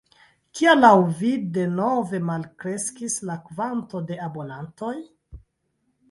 Kial laŭ vi denove malkreskis la kvanto de abonantoj?